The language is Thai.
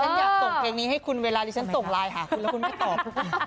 ฉันอยากส่งเพลงนี้ให้คุณเวลาที่ฉันส่งไลน์หาคุณแล้วคุณไม่ตอบ